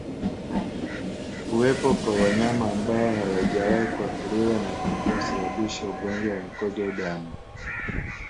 Kuwepo kwa wanyama ambao hawajawahi kuathiriwa na kupe husababisha ugonjwa wa mkojo damu